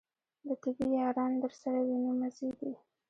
د طبې یاران درسره وي نو مزې دي.